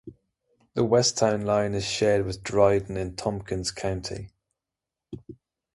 The west town line is shared with Dryden in Tompkins County.